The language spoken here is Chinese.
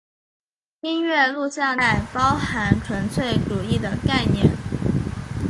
音乐录像带包含纯粹主义的概念。